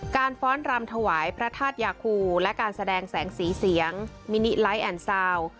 ฟ้อนรำถวายพระธาตุยาคูและการแสดงแสงสีเสียงมินิไลท์แอนด์ซาวน์